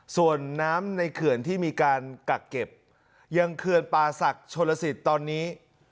ส่วนน้ำในเขื่อนที่มีการกักเก็บยังเขื่อนป่าศักดิ์ชนลสิทธิ์ตอนนี้